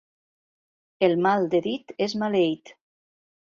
El mal de dit és maleït.